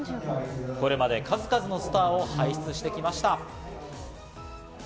これまで数々のスターを輩出してきました。